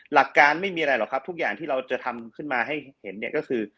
หลักการไม่มีอะไรหรอกครับทุกอย่างที่เราจะทำขึ้นมาให้เห็นเนี่ยก็คือ